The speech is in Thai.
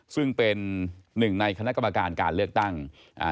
ซึ่งเป็นหนึ่งในคณะกรรมการการเลือกตั้งอ่า